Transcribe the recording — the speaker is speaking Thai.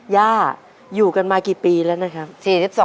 ย่าอยู่กันมากี่ปีแล้วนะครับ